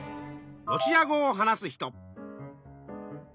ロシア語を話す人。